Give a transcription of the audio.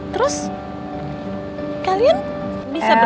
terus kalian bisa berdua